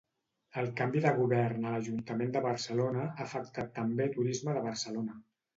El canvi de govern a l'Ajuntament de Barcelona ha afectat també Turisme de Barcelona.